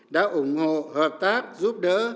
đã ủng hộ hợp tác giúp đỡ